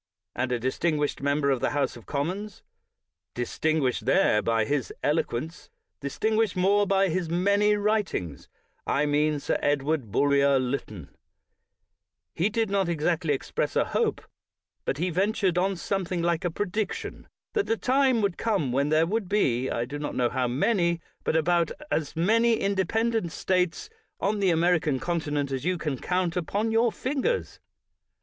'' And a distinguished member of the House of Commons — distinguished there by his eloquence, distinguished more bj his many writings — I mean Sir Edward Bulwer Lytton — he did not exactly express a hope, but he ventured on something like a prediction, that the time would come when there would be, I do not know how many, but about as many in dependent States on the American continent as you can count upon your fingers.